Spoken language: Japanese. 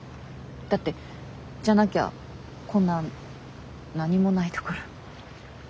だってじゃなきゃこんな何もない所。